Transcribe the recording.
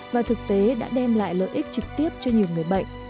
và thực tế đã đem lại lợi ích trực tiếp cho nhiều người bệnh